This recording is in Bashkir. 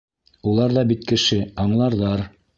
Улар ҙа бит кеше, аңларҙар.